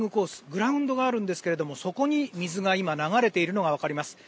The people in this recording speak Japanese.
グラウンドがあるんですがそこに今、水が流れているのがわかります。